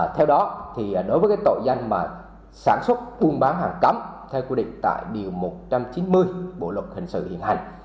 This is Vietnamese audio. theo đó thì đối với cái tội danh mà sản xuất buôn bán hàng cấm theo quy định tại điều một trăm chín mươi bộ luật hình sự hiện hành